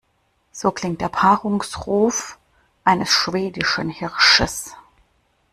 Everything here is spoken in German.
So klingt der Paarungsruf eines schwedischen Hirsches.